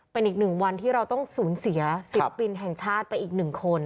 เป็นอีกหนึ่งวันที่เราต้องสูญเสียศิลปินแห่งชาติไปอีกหนึ่งคน